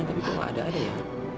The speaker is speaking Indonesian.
tapi kok gak ada ada ya